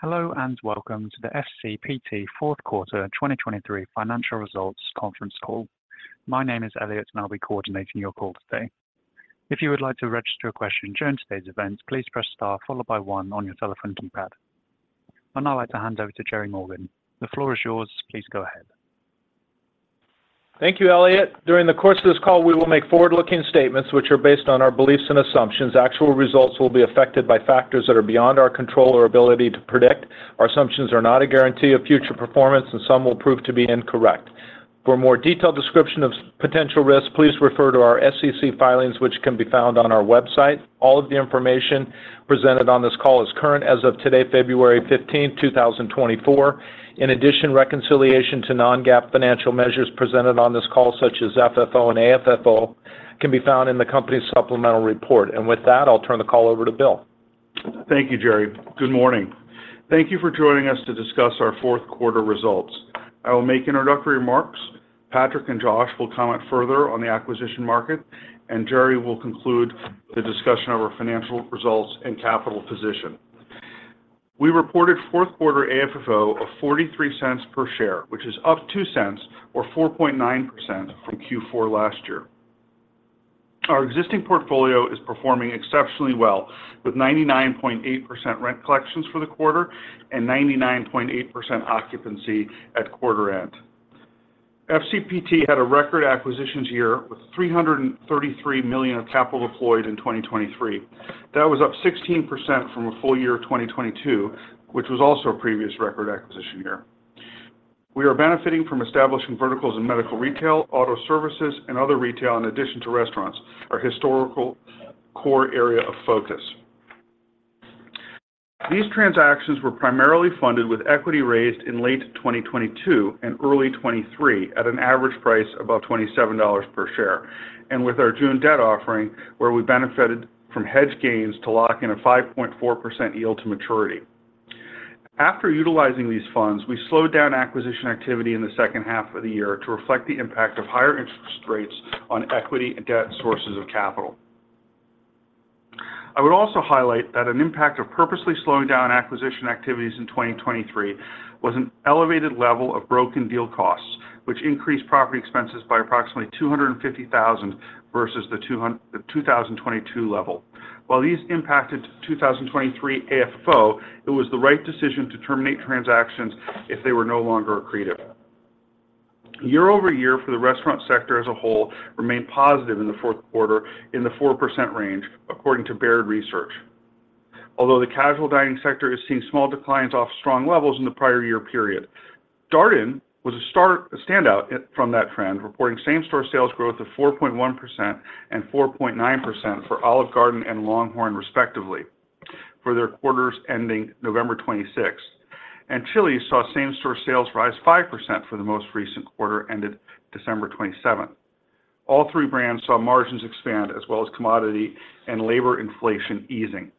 Hello and welcome to the FCPT Fourth Quarter 2023 Financial Results Conference Call. My name is Elliot, and I'll be coordinating your call today. If you would like to register a question during today's event, please press star followed by 1 on your telephone keypad. And I'd like to hand over to Gerry Morgan. The floor is yours. Please go ahead. Thank you, Elliot. During the course of this call, we will make forward-looking statements which are based on our beliefs and assumptions. Actual results will be affected by factors that are beyond our control or ability to predict. Our assumptions are not a guarantee of future performance, and some will prove to be incorrect. For a more detailed description of potential risks, please refer to our SEC filings, which can be found on our website. All of the information presented on this call is current as of today, February 15, 2024. In addition, reconciliation to non-GAAP financial measures presented on this call, such as FFO and AFFO, can be found in the company's supplemental report. And with that, I'll turn the call over to Bill. Thank you, Gerry. Good morning. Thank you for joining us to discuss our fourth quarter results. I will make introductory remarks. Patrick and Josh will comment further on the acquisition market, and Gerry will conclude the discussion of our financial results and capital position. We reported fourth quarter AFFO of $0.43 per share, which is up $0.02 or 4.9% from Q4 last year. Our existing portfolio is performing exceptionally well, with 99.8% rent collections for the quarter and 99.8% occupancy at quarter-end. FCPT had a record acquisitions year with $333 million of capital deployed in 2023. That was up 16% from a full year 2022, which was also a previous record acquisition year. We are benefiting from establishing verticals in medical retail, auto services, and other retail in addition to restaurants, our historical core area of focus. These transactions were primarily funded with equity raised in late 2022 and early 2023 at an average price above $27 per share, and with our June debt offering where we benefited from hedge gains to lock in a 5.4% yield to maturity. After utilizing these funds, we slowed down acquisition activity in the second half of the year to reflect the impact of higher interest rates on equity and debt sources of capital. I would also highlight that an impact of purposely slowing down acquisition activities in 2023 was an elevated level of broken deal costs, which increased property expenses by approximately $250,000 versus the 2022 level. While these impacted 2023 AFFO, it was the right decision to terminate transactions if they were no longer accretive. Year-over-year, for the restaurant sector as a whole, remained positive in the fourth quarter in the 4% range, according to Baird Research. Although the casual dining sector is seeing small declines off strong levels in the prior year period, Darden was a standout from that trend, reporting same-store sales growth of 4.1% and 4.9% for Olive Garden and LongHorn, respectively, for their quarters ending November 26th. Chili's saw same-store sales rise 5% for the most recent quarter ended December 27th. All three brands saw margins expand as well as commodity and labor inflation easing.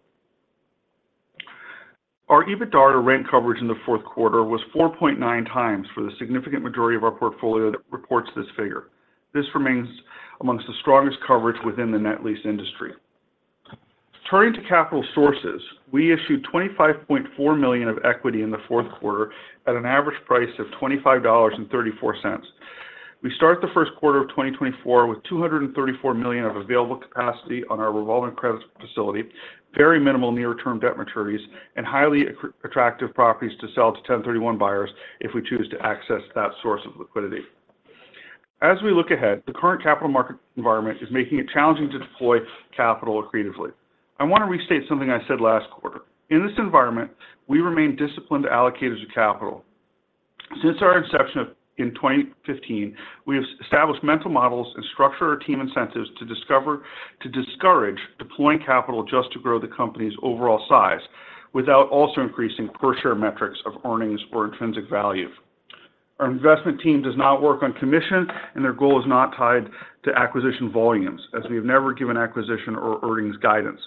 Our EBITDA or rent coverage in the fourth quarter was 4.9 times for the significant majority of our portfolio that reports this figure. This remains among the strongest coverage within the net lease industry. Turning to capital sources, we issued $25.4 million of equity in the fourth quarter at an average price of $25.34. We start the first quarter of 2024 with $234 million of available capacity on our revolving credit facility, very minimal near-term debt maturities, and highly attractive properties to sell to 1031 buyers if we choose to access that source of liquidity. As we look ahead, the current capital market environment is making it challenging to deploy capital accretively. I want to restate something I said last quarter. In this environment, we remain disciplined allocators of capital. Since our inception in 2015, we have established mental models and structured our team incentives to discourage deploying capital just to grow the company's overall size without also increasing per-share metrics of earnings or intrinsic value. Our investment team does not work on commission, and their goal is not tied to acquisition volumes, as we have never given acquisition or earnings guidance.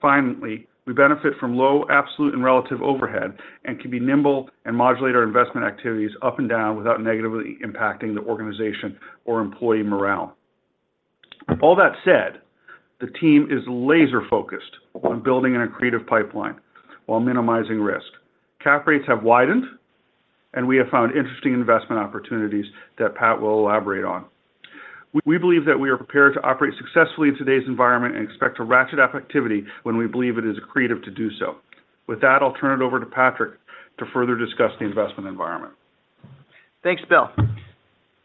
Finally, we benefit from low absolute and relative overhead and can be nimble and modulate our investment activities up and down without negatively impacting the organization or employee morale. All that said, the team is laser-focused on building an accretive pipeline while minimizing risk. Cap rates have widened, and we have found interesting investment opportunities that Pat will elaborate on. We believe that we are prepared to operate successfully in today's environment and expect to ratchet up activity when we believe it is accretive to do so. With that, I'll turn it over to Patrick to further discuss the investment environment. Thanks, Bill.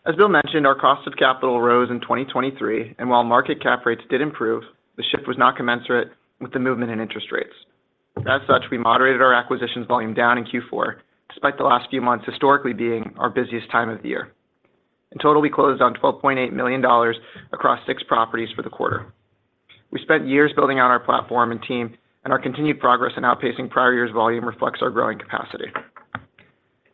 As Bill mentioned, our cost of capital rose in 2023, and while market cap rates did improve, the shift was not commensurate with the movement in interest rates. As such, we moderated our acquisitions volume down in Q4 despite the last few months historically being our busiest time of the year. In total, we closed on $12.8 million across 6 properties for the quarter. We spent years building out our platform and team, and our continued progress in outpacing prior year's volume reflects our growing capacity.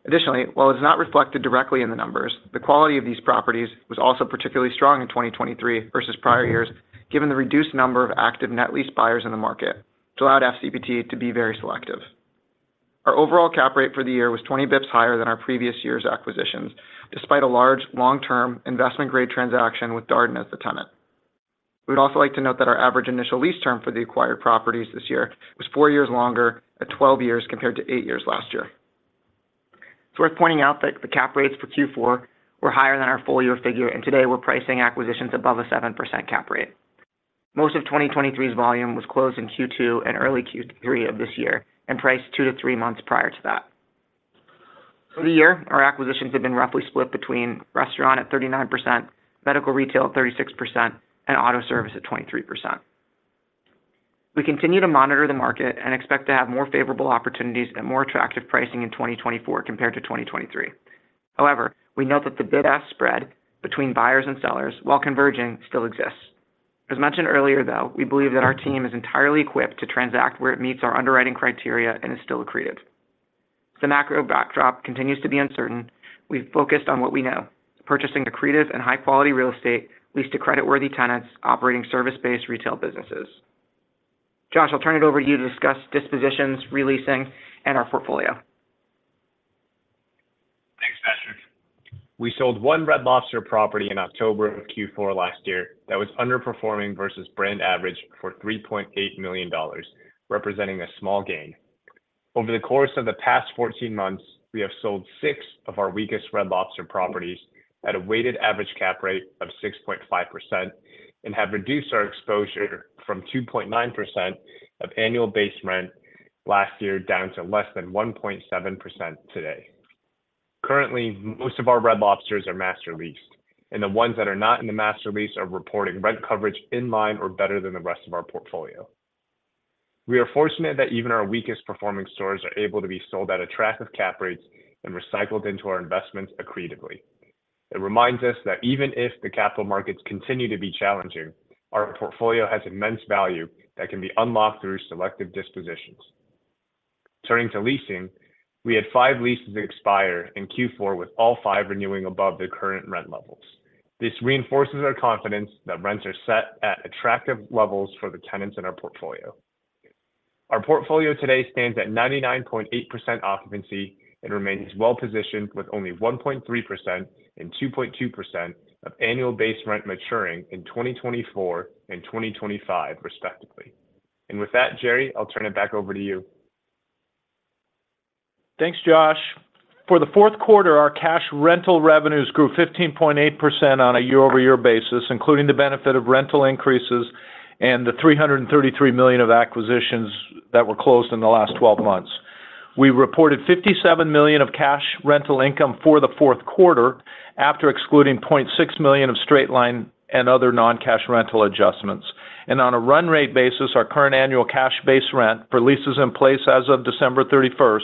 Additionally, while it's not reflected directly in the numbers, the quality of these properties was also particularly strong in 2023 versus prior years given the reduced number of active net lease buyers in the market, which allowed FCPT to be very selective. Our overall cap rate for the year was 20 basis points higher than our previous year's acquisitions despite a large, long-term, Investment Grade transaction with Darden as the tenant. We would also like to note that our average initial lease term for the acquired properties this year was 4 years longer at 12 years compared to 8 years last year. It's worth pointing out that the cap rates for Q4 were higher than our full-year figure, and today we're pricing acquisitions above a 7% cap rate. Most of 2023's volume was closed in Q2 and early Q3 of this year and priced 2-3 months prior to that. For the year, our acquisitions have been roughly split between restaurant at 39%, medical retail at 36%, and auto service at 23%. We continue to monitor the market and expect to have more favorable opportunities at more attractive pricing in 2024 compared to 2023. However, we note that the bid-ask spread between buyers and sellers, while converging, still exists. As mentioned earlier, though, we believe that our team is entirely equipped to transact where it meets our underwriting criteria and is still accretive. As the macro backdrop continues to be uncertain, we've focused on what we know: purchasing accretive and high-quality real estate leased to credit-worthy tenants operating service-based retail businesses. Josh, I'll turn it over to you to discuss dispositions, releasing, and our portfolio. Thanks, Patrick. We sold one Red Lobster property in October of Q4 last year that was underperforming versus brand average for $3.8 million, representing a small gain. Over the course of the past 14 months, we have sold six of our weakest Red Lobster properties at a weighted average cap rate of 6.5% and have reduced our exposure from 2.9% of annual base rent last year down to less than 1.7% today. Currently, most of our Red Lobsters are master leased, and the ones that are not in the master lease are reporting rent coverage in line or better than the rest of our portfolio. We are fortunate that even our weakest performing stores are able to be sold at attractive cap rates and recycled into our investments accretively. It reminds us that even if the capital markets continue to be challenging, our portfolio has immense value that can be unlocked through selective dispositions. Turning to leasing, we had 5 leases expire in Q4 with all 5 renewing above the current rent levels. This reinforces our confidence that rents are set at attractive levels for the tenants in our portfolio. Our portfolio today stands at 99.8% occupancy and remains well-positioned with only 1.3% and 2.2% of annual base rent maturing in 2024 and 2025, respectively. With that, Gerry, I'll turn it back over to you. Thanks, Josh. For the fourth quarter, our cash rental revenues grew 15.8% on a year-over-year basis, including the benefit of rental increases and the $333 million of acquisitions that were closed in the last 12 months. We reported $57 million of cash rental income for the fourth quarter after excluding $0.6 million of straight-line and other non-cash rental adjustments. On a run-rate basis, our current annual cash base rent for leases in place as of December 31st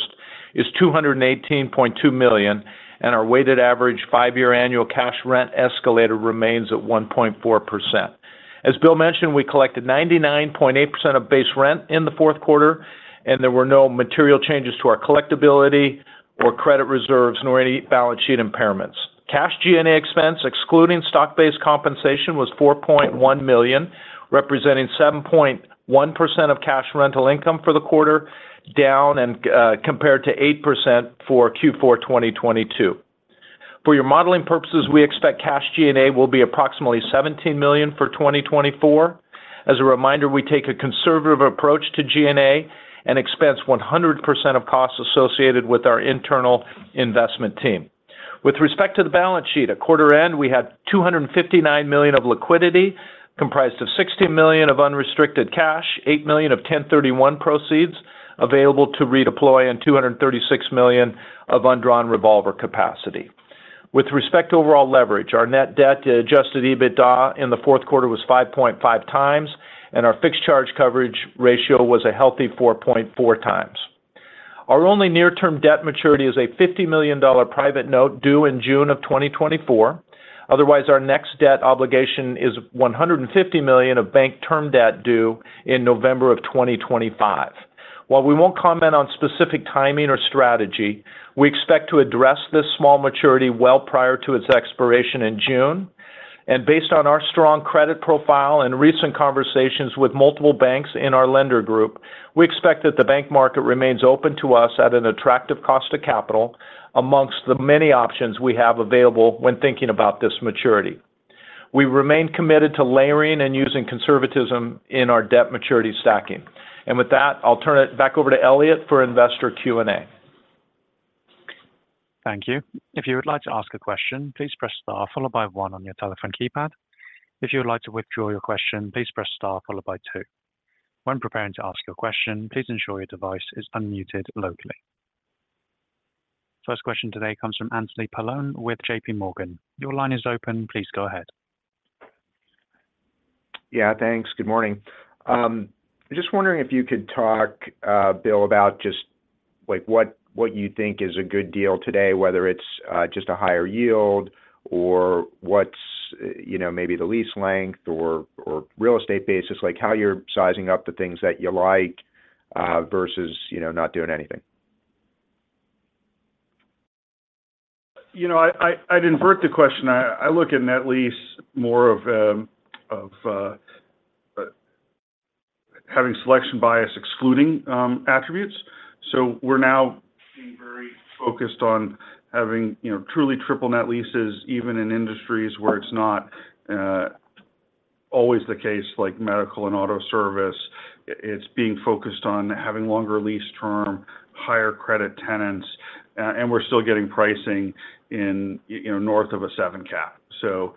is $218.2 million, and our weighted average five-year annual cash rent escalator remains at 1.4%. As Bill mentioned, we collected 99.8% of base rent in the fourth quarter, and there were no material changes to our collectibility or credit reserves nor any balance sheet impairments. Cash G&A expense, excluding stock-based compensation, was $4.1 million, representing 7.1% of cash rental income for the quarter, down compared to 8% for Q4 2022. For your modeling purposes, we expect cash G&A will be approximately $17 million for 2024. As a reminder, we take a conservative approach to G&A and expense 100% of costs associated with our internal investment team. With respect to the balance sheet, at quarter-end, we had $259 million of liquidity comprised of $16 million of unrestricted cash, $8 million of 1031 proceeds available to redeploy, and $236 million of undrawn revolver capacity. With respect to overall leverage, our net debt to adjusted EBITDA in the fourth quarter was 5.5x, and our fixed charge coverage ratio was a healthy 4.4x. Our only near-term debt maturity is a $50 million private note due in June of 2024. Otherwise, our next debt obligation is $150 million of bank term debt due in November of 2025. While we won't comment on specific timing or strategy, we expect to address this small maturity well prior to its expiration in June. And based on our strong credit profile and recent conversations with multiple banks in our lender group, we expect that the bank market remains open to us at an attractive cost of capital amongst the many options we have available when thinking about this maturity. We remain committed to layering and using conservatism in our debt maturity stacking. And with that, I'll turn it back over to Elliot for investor Q&A. Thank you. If you would like to ask a question, please press star followed by one on your telephone keypad. If you would like to withdraw your question, please press star followed by two. When preparing to ask your question, please ensure your device is unmuted locally. First question today comes from Anthony Paolone with J.P. Morgan. Your line is open. Please go ahead. Yeah, thanks. Good morning. Just wondering if you could talk, Bill, about just what you think is a good deal today, whether it's just a higher yield or what's maybe the lease length or real estate basis, how you're sizing up the things that you like versus not doing anything. I'd invert the question. I look at net lease more as having selection bias excluding attributes. So we're now being very focused on having truly triple-net leases, even in industries where it's not always the case, like medical and auto service. It's being focused on having longer lease term, higher credit tenants, and we're still getting pricing north of a 7% cap. So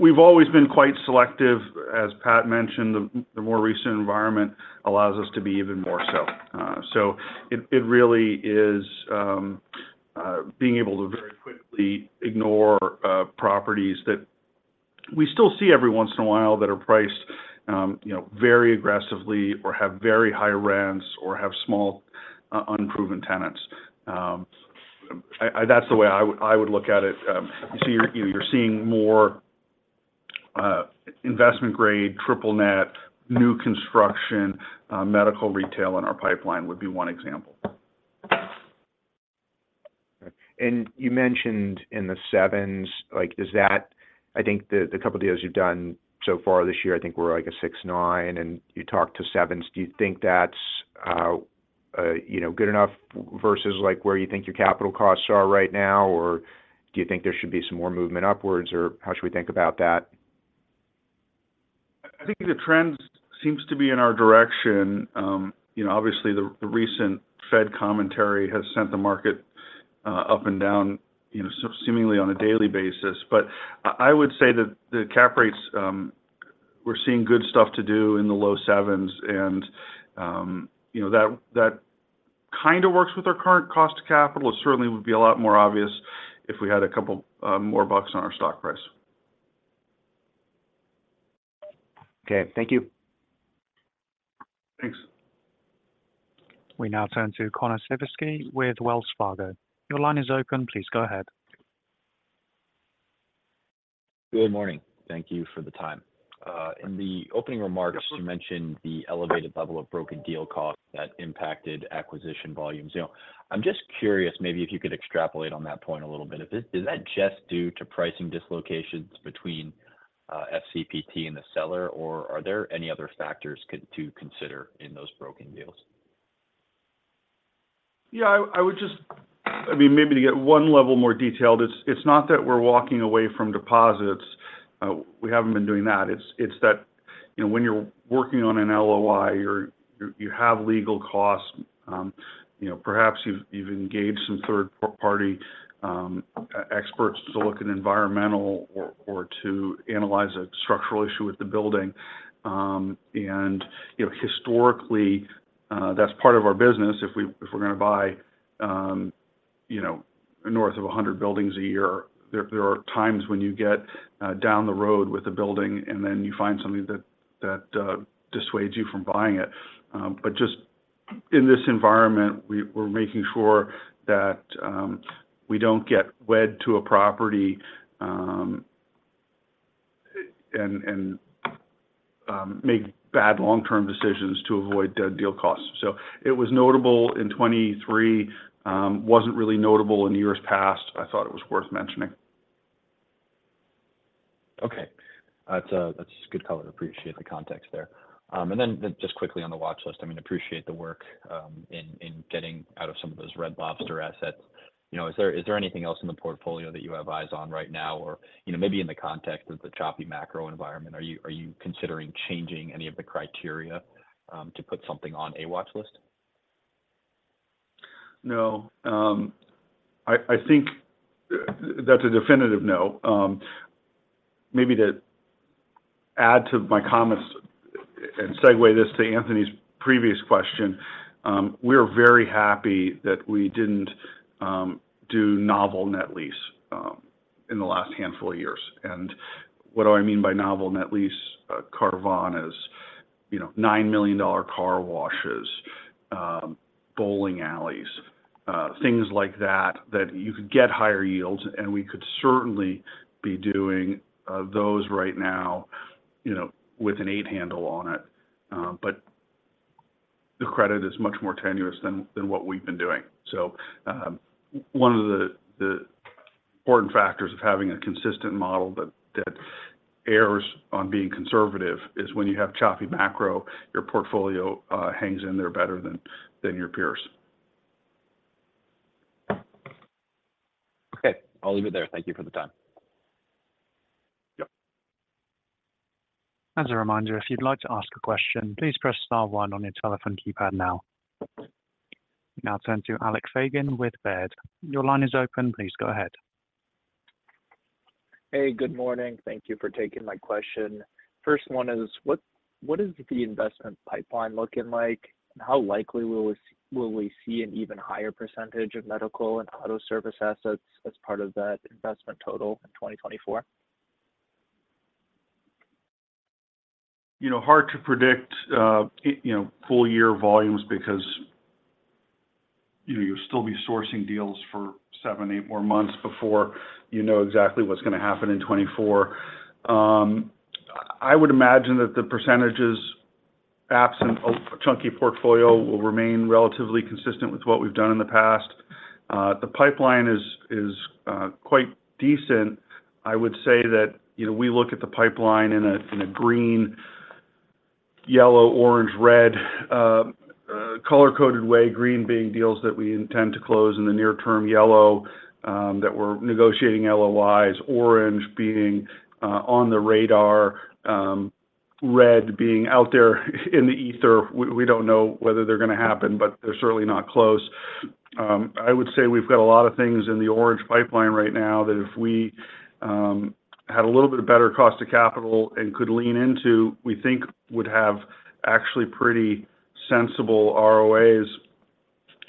we've always been quite selective. As Pat mentioned, the more recent environment allows us to be even more so. So it really is being able to very quickly ignore properties that we still see every once in a while that are priced very aggressively or have very high rents or have small unproven tenants. That's the way I would look at it. You see, you're seeing more investment-grade, triple-net, new construction, medical retail in our pipeline would be one example. You mentioned in the 7s. I think the couple of deals you've done so far this year, I think we're like a 6.9, and you talked to 7s. Do you think that's good enough versus where you think your capital costs are right now, or do you think there should be some more movement upwards, or how should we think about that? I think the trend seems to be in our direction. Obviously, the recent Fed commentary has sent the market up and down seemingly on a daily basis. But I would say that the cap rates, we're seeing good stuff to do in the low 7s, and that kind of works with our current cost of capital. It certainly would be a lot more obvious if we had a couple more bucks on our stock price. Okay. Thank you. Thanks. We now turn to Connor Siverski with Wells Fargo. Your line is open. Please go ahead. Good morning. Thank you for the time. In the opening remarks, you mentioned the elevated level of broken deal costs that impacted acquisition volumes. I'm just curious, maybe if you could extrapolate on that point a little bit, is that just due to pricing dislocations between FCPT and the seller, or are there any other factors to consider in those broken deals? Yeah, I would just—I mean, maybe to get one level more detailed—it's not that we're walking away from deposits. We haven't been doing that. It's that when you're working on an LOI, you have legal costs. Perhaps you've engaged some third-party experts to look at environmental or to analyze a structural issue with the building. And historically, that's part of our business. If we're going to buy north of 100 buildings a year, there are times when you get down the road with a building and then you find something that dissuades you from buying it. But just in this environment, we're making sure that we don't get wed to a property and make bad long-term decisions to avoid dead deal costs. So it was notable in 2023, wasn't really notable in years past. I thought it was worth mentioning. Okay. That's good color. Appreciate the context there. And then just quickly on the watch list, I mean, appreciate the work in getting out of some of those Red Lobster assets. Is there anything else in the portfolio that you have eyes on right now, or maybe in the context of the choppy macro environment, are you considering changing any of the criteria to put something on a watch list? No. I think that's a definitive no. Maybe to add to my comments and segue this to Anthony's previous question, we are very happy that we didn't do novel net lease in the last handful of years. What do I mean by novel net lease? Caravana as $9 million car washes, bowling alleys, things like that, that you could get higher yields, and we could certainly be doing those right now with an 8 handle on it. But the credit is much more tenuous than what we've been doing. One of the important factors of having a consistent model that errs on being conservative is when you have choppy macro, your portfolio hangs in there better than your peers. Okay. I'll leave it there. Thank you for the time. Yep. As a reminder, if you'd like to ask a question, please press star one on your telephone keypad now. We now turn to Alex Fagan with Baird. Your line is open. Please go ahead. Hey, good morning. Thank you for taking my question. First one is, what is the investment pipeline looking like, and how likely will we see an even higher percentage of medical and auto service assets as part of that investment total in 2024? Hard to predict full-year volumes because you'll still be sourcing deals for 7, 8 more months before you know exactly what's going to happen in 2024. I would imagine that the percentages absent a chunky portfolio will remain relatively consistent with what we've done in the past. The pipeline is quite decent. I would say that we look at the pipeline in a green, yellow, orange, red color-coded way, green being deals that we intend to close in the near term, yellow that we're negotiating LOIs, orange being on the radar, red being out there in the ether. We don't know whether they're going to happen, but they're certainly not close. I would say we've got a lot of things in the orange pipeline right now that if we had a little bit better cost of capital and could lean into, we think would have actually pretty sensible ROAs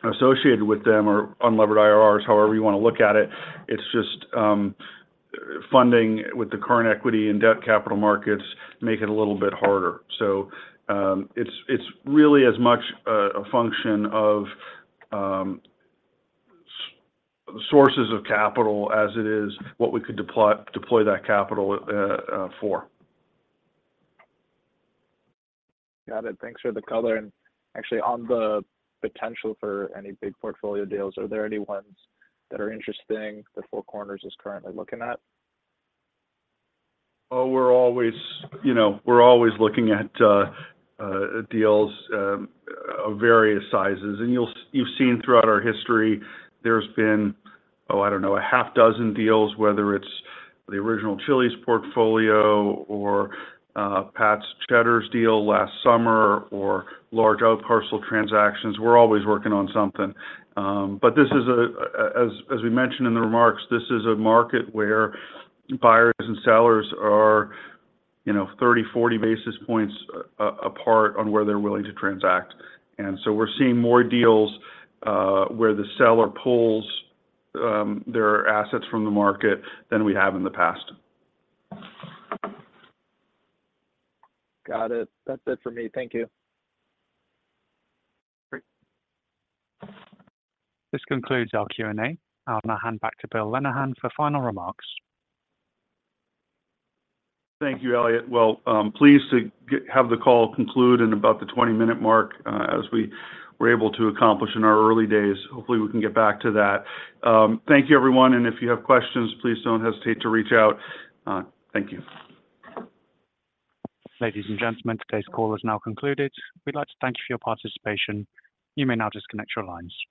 associated with them or unlevered IRRs, however you want to look at it. It's just funding with the current equity and debt capital markets make it a little bit harder. So it's really as much a function of sources of capital as it is what we could deploy that capital for. Got it. Thanks for the color. Actually, on the potential for any big portfolio deals, are there any ones that are interesting that Four Corners is currently looking at? Oh, we're always looking at deals of various sizes. You've seen throughout our history, there's been, oh, I don't know, a half dozen deals, whether it's the original Chili's portfolio or Pat's Cheddar's deal last summer or large outparcel transactions. We're always working on something. But as we mentioned in the remarks, this is a market where buyers and sellers are 30, 40 basis points apart on where they're willing to transact. And so we're seeing more deals where the seller pulls their assets from the market than we have in the past. Got it. That's it for me. Thank you. This concludes our Q&A. I'll now hand back to Bill Lenehan for final remarks. Thank you, Elliot. Well, pleased to have the call conclude in about the 20-minute mark as we were able to accomplish in our early days. Hopefully, we can get back to that. Thank you, everyone. If you have questions, please don't hesitate to reach out. Thank you. Ladies and gentlemen, today's call is now concluded. We'd like to thank you for your participation. You may now disconnect your lines.